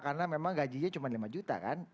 karena memang gajinya cuma lima juta kan